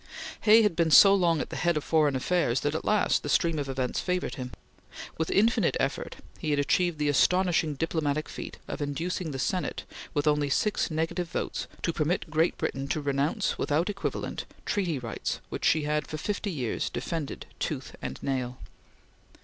Hay had been so long at the head of foreign affairs that at last the stream of events favored him. With infinite effort he had achieved the astonishing diplomatic feat of inducing the Senate, with only six negative votes, to permit Great Britain to renounce, without equivalent, treaty rights which she had for fifty years defended tooth and nail.